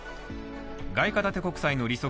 外貨建て国債の利息